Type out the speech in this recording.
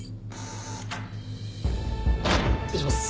・・・失礼します。